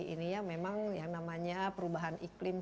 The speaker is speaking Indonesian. ini ya memang yang namanya perubahan iklim